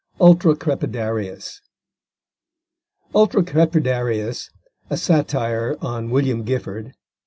ULTRA CREPIDARIUS ULTRA CREPIDARIUS; _a Satire on William Gifford.